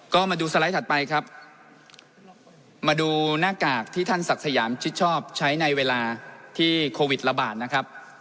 ก็มาดูสไลด์ถัดไปครับมาดูหน้ากากที่ท่านศักดิ์สยามชิดชอบใช้ในเวลาที่โควิดระบาดนะครับ